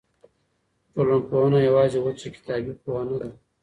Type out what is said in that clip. ټولنپوهنه یوازې وچه کتابي پوهه نه ده.